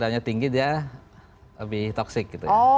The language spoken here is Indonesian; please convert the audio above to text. kalau yang tinggi dia lebih toksik gitu ya